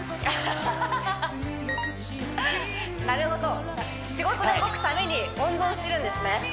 なるほど仕事で動くために温存してるんですね